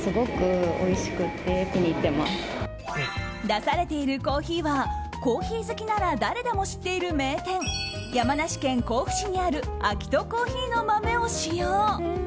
出されているコーヒーはコーヒー好きなら誰でも知っている名店山梨県甲府市にあるＡＫＩＴＯＣＯＦＦＥＥの豆を使用。